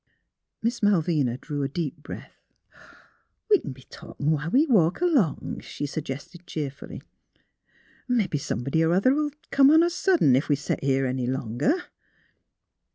" Miss Malvina drew a deep breath. " We c'n be talkin' whilst we walk along," she suggested, cheerfully. '^ Mebbe somebody er other '11 come on us sudden, ef we set here any longer.